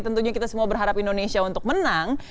tentunya kita semua berharap indonesia untuk menang